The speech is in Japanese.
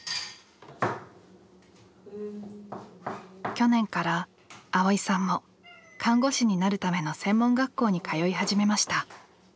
去年から蒼依さんも看護師になるための専門学校に通い始めました。